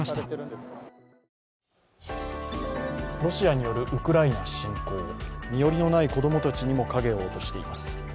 ロシアによるウクライナ侵攻身寄りのない子供たちにも、影を落としています。